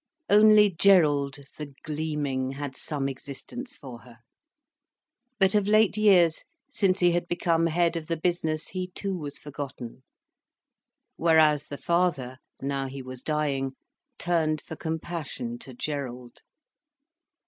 Only Gerald, the gleaming, had some existence for her. But of late years, since he had become head of the business, he too was forgotten. Whereas the father, now he was dying, turned for compassion to Gerald.